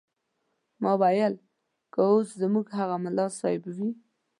ما ویل که اوس زموږ هغه ملا صیب وي.